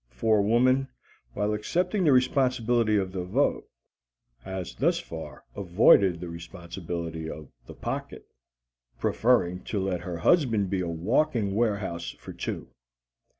For woman, while accepting the responsibility of the vote, has thus far avoided the responsibility of the pocket preferring to let her husband be a walking warehouse for two.